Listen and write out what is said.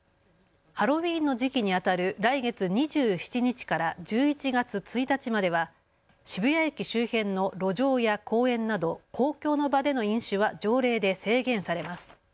ハロウィーンの時期にあたる来月２７日から１１月１日までは渋谷駅周辺の路上や公園など公共の場での飲酒は条例で制限されます。